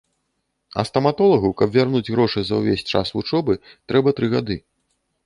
А стаматолагу, каб вярнуць грошы за ўвесь час вучобы, трэба тры гады.